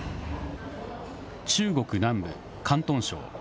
中国南部、広東省。